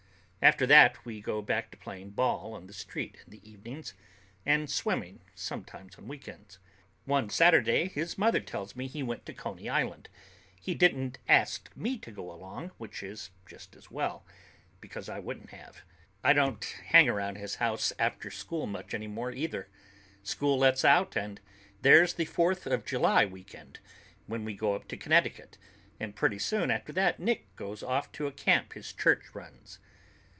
After that we go back to playing ball on the street in the evenings and swimming sometimes on weekends. One Saturday his mother tells me he went to Coney Island. He didn't ask me to go along, which is just as well, because I wouldn't have. I don't hang around his house after school much anymore, either. School lets out, and there's the Fourth of July weekend, when we go up to Connecticut, and pretty soon after that Nick goes off to a camp his church runs.